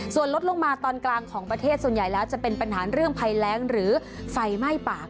ส่วนลดลงมาตอนกลางของประเทศส่วนใหญ่แล้วจะเป็นปัญหาเรื่องภัยแรงหรือไฟไหม้ปาก